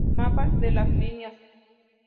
Mapas de las líneas.